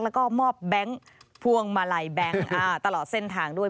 แล้วก็มอบแบงค์พวงมาลัยแบงค์ตลอดเส้นทางด้วย